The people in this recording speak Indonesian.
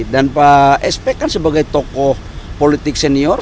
dan pak sp kan sebagai tokoh politik senior